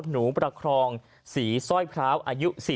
หนูปรครองสีสร้อยพร้าวอายุ๔๑